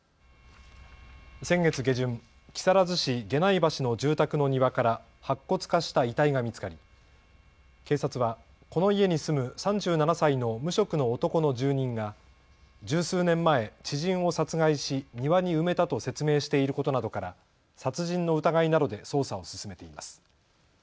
先月下旬、木更津市下内橋の住宅の庭から白骨化した遺体が見つかり警察はこの家に住む３７歳の無職の男の住人が十数年前、知人を殺害し庭に埋めたと説明していることなどから殺人の疑いなどで捜査を進めています。